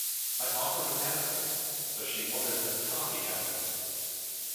I offered an apple, but she wanted a toffee apple.